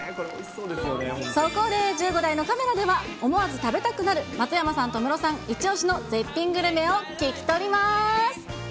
そこで１５台のカメラでは、思わず食べたくなる、松山さんとムロさん、一押しの絶品グルメを聞き取ります。